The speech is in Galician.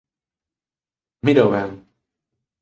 Mírao ben.